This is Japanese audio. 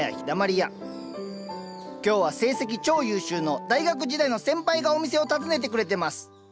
今日は成績超優秀の大学時代の先輩がお店を訪ねてくれてます